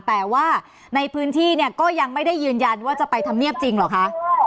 แต่ว่าในพื้นที่เนี่ยก็ยังไม่ได้ยืนยันว่าจะไปทำเนียบจริงเหรอคะ